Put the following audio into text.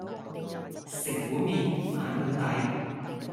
食碗麵反碗底